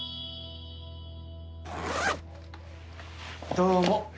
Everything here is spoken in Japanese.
どうも。